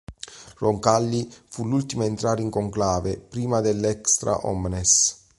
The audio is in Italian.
Roncalli fu l'ultimo a entrare in conclave, prima dell"'extra omnes".